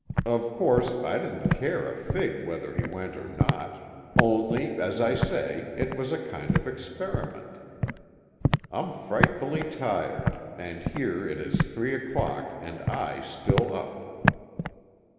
Of course, I didn't care a fig whether he went or not; only, as I say, it was a kind of experiment. I'm frightfully tired, and here it is three o'clock and I still up.